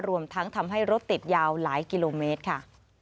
รวมทั้งทำให้รถติดยาวหลายกิโลเมตรค่ะ